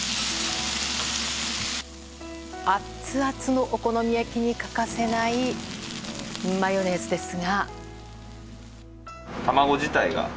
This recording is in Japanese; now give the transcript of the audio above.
アツアツのお好み焼きに欠かせないマヨネーズですが。